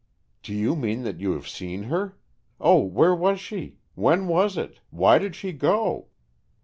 "Do you mean that you have seen her? Oh, where was she? When was it? Why did she go?"